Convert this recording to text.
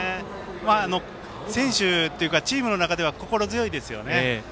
選手というかチームの中では心強いですよね。